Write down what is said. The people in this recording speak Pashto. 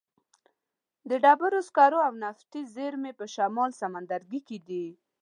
د ډبرو سکرو او نفتو زیرمې په شمال سمندرګي کې دي.